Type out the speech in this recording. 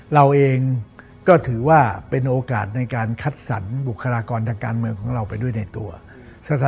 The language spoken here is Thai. เราเองก็ถือว่าเป็นโอกาส